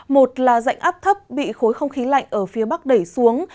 một là dạnh áp thấp bị khối không khí lạnh ở phía bắc đẩy xuống